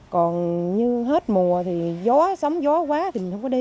còn như hết mùa thì gió sóng gió quá thì mình không có đi